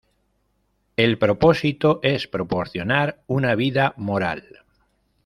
El propósito es promocionar una vida moral.